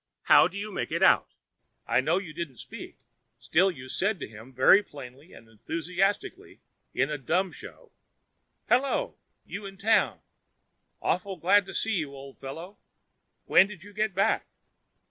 How do you make it out?' 'I know you didn't speak, still you said to him very plainly and enthusiastically in dumb show, "Hello! you in town? Awful glad to see you, old fellow; when did you get back?"